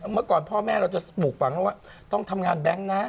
เมื่อก่อนพ่อแม่เราจะปลูกฝังแล้วว่าต้องทำงานแบงค์นะ